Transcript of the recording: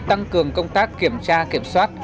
tăng cường công tác kiểm tra kiểm soát